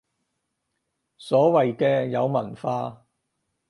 所謂嘅有文化